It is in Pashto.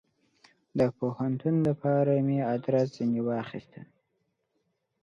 د پوهنتون دپاره مې ادرس ځني واخیست.